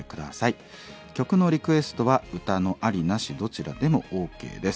曲のリクエストは歌のありなしどちらでもＯＫです。